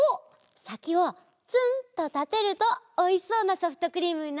さきをツンとたてるとおいしそうなソフトクリームになるよ。